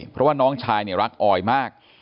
เพราะว่าน้องชายรักออยมาก